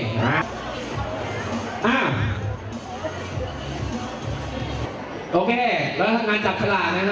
อเจมส์โอเคแล้วทางงานจับชราตรเนี่ยนะ